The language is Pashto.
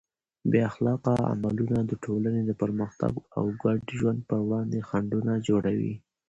بې اخلاقه عملونه د ټولنې د پرمختګ او ګډ ژوند پر وړاندې خنډونه جوړوي.